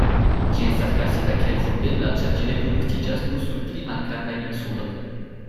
Ĝi estas klasita kiel vundebla ĉar ĝi reproduktiĝas nur sur tri malgrandaj insuloj.